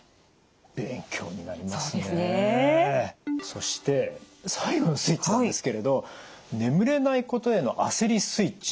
そして最後のスイッチなんですけれど眠れないことへの焦りスイッチ